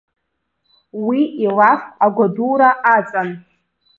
Уи илаф агәадура аҵан.